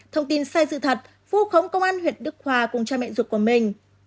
thông tin sai sự thật vu khống công an huyện đức hòa cùng cha mẹ ruột của mình